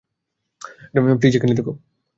Please, এখানেই থাকো।